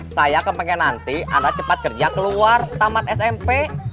saya kepengen nanti anak cepat kerja keluar setamat smp